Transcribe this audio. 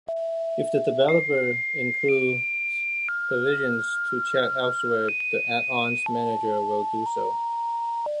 If the developer includes provisions to check elsewhere, the add-ons manager will do so.